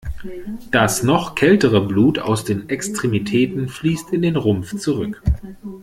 Das noch kältere Blut aus den Extremitäten fließt in den Rumpf zurück.